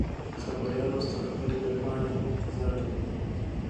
خبریال اوس د خپلې بې پاڼې انتظار کوي.